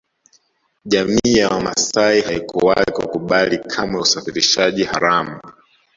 Jamii ya Wamasai haikuwahi kukubali kamwe usafirishaji haramu